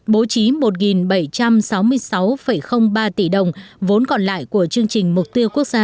bố trí một bảy trăm sáu mươi sáu ba tỷ đồng vốn còn lại của chương trình mục tiêu quốc gia